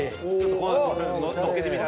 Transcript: こうのっけてみた。